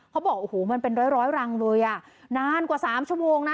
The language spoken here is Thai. เขาบอกโอ้โหมันเป็นร้อยร้อยรังเลยอ่ะนานกว่า๓ชั่วโมงนะ